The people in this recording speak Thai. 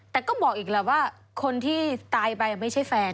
แต่ก็บอกอีกแล้วว่าคนที่ตายไปไม่ใช่แฟน